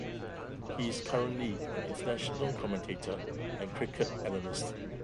He is currently an international commentator and cricket analyst.